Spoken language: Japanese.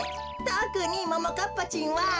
とくにももかっぱちんは。